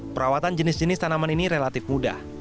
perawatan jenis jenis tanaman ini relatif mudah